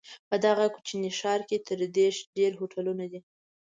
په دغه کوچني ښار کې تر دېرش ډېر هوټلونه دي.